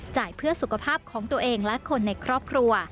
เพื่อสุขภาพของตัวเองและคนในครอบครัว